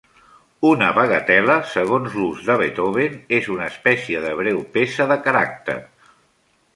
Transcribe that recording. Una bagatel·la, segons l'ús de Beethoven, és una espècie de breu peça de caràcter.